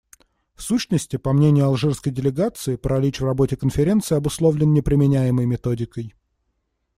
В сущности, по мнению алжирской делегации, паралич в работе Конференции обусловлен не применяемой методикой.